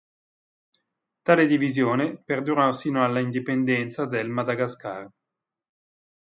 Tale divisione perdurò sino alla indipendenza del Madagascar.